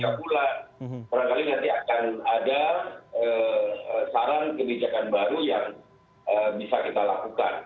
barangkali nanti akan ada saran kebijakan baru yang bisa kita lakukan